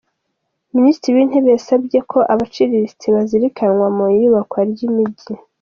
Minisitiri w’Intebe yasabye ko abaciriritse bazirikanwa mu iyubakwa ry’imijyi